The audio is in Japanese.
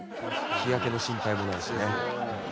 日焼けの心配もないしね。